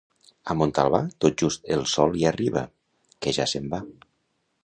A Montalbà, tot just el sol hi arriba, que ja se'n va.